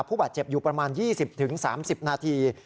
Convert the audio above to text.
ผู้บาดเจ็บอยู่ประมาณ๒๐๓๐นาที